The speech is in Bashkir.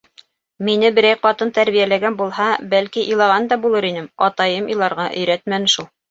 Мине берәй ҡатын тәрбиәләгән булһа, бәлки, илаған да булыр инем, атайым иларға өйрәтмәне шул.